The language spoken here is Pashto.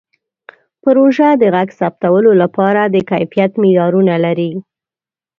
پروژه د غږ ثبتولو لپاره د کیفیت معیارونه لري.